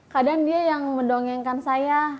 kadang dia yang mendongengkan saya